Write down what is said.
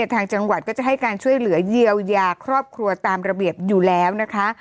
ทางจังหวัดก็จะให้การช่วยเหลือเยียวยาครอบครัวตามระเบียบอยู่แล้วนะคะ